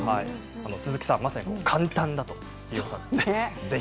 鈴木さん、まさに簡単だということなので、ぜひ。